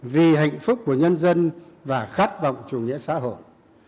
vì hạnh phúc của nhân dân và khát vọng chủ nghĩa xã hội